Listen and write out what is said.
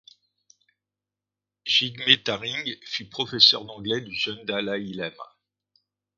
Jigmé Taring fut professeur d'anglais du jeune dalaï lama.